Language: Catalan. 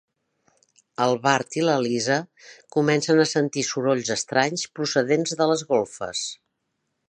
El Bart i la Lisa comencen a sentir sorolls estranys procedents de les golfes.